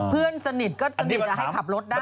เพื่อนสนิทก็สนิทให้ขับรถได้